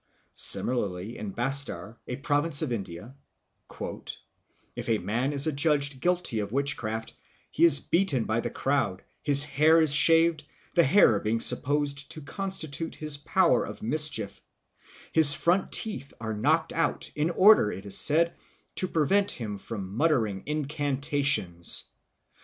Similarly in Bastar, a province of India, "if a man is adjudged guilty of witchcraft, he is beaten by the crowd, his hair is shaved, the hair being supposed to constitute his power of mischief, his front teeth are knocked out, in order, it is said, to prevent him from muttering incantations.